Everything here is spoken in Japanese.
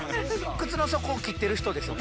靴の底を切ってる人ですよね？